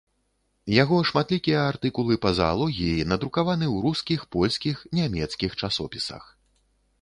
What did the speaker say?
Яго шматлікія артыкулы па заалогіі надрукаваны ў рускіх, польскіх, нямецкіх часопісах.